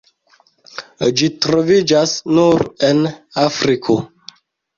Ĝi troviĝas nur en Afriko.